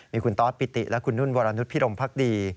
มีคุณตอสปิติและคุณนุ่นวรนุษยพิรมพักดี